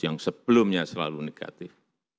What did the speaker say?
yang sebelumnya selalu negatif